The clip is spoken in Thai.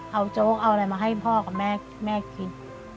เอาโจ๊กเอาอะไรมาให้พ่อกับแม่แม่คิด